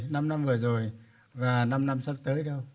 năm năm vừa rồi và năm năm sắp tới đâu